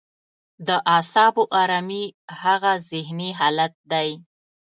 د اعصابو ارامي هغه ذهني حالت دی.